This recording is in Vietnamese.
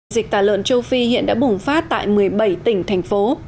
dịch tả lợn châu phi hiện đã bùng phát tại một mươi bảy tỉnh thành phố